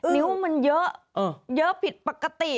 นิ้วมันเยอะเยอะผิดปกติ